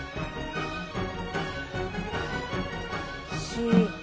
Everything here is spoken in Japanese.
「し」